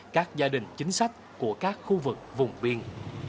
các gia đình chính sách của các khu vực vùng biên